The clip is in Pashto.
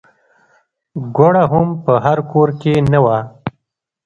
ګوړه هم په هر کور کې نه وه.